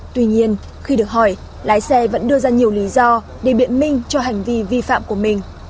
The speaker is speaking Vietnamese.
tuy nhiên khi được hỏi lái xe vẫn đưa ra nhiều lý do để biện minh cho hành vi vi phạm của mình